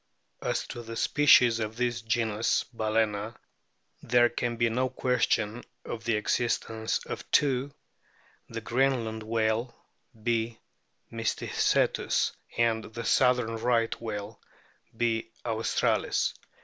As to species of this genus Bal&na, there can be no question of the existence of two, the Greenland whale B. mysticetus, and the southern Right whale B. australis.